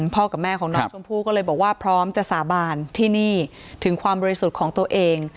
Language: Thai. กับแม่ของน้องชมพู่ก็เลยบอกว่าพร้อมจะสาบานที่นี่ถึงความบริสุทธิ์ของตัวเอง